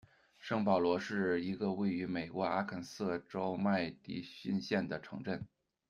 圣保罗是一个位于美国阿肯色州麦迪逊县的城镇。